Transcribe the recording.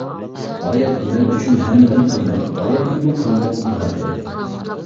ھايات مەن ئۈچۈن ھەممىدىن قىممەت ھاياتتىنمۇ قىممەت مۇھەببەت.